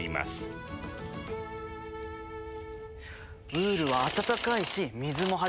ウールは暖かいし水もはじく。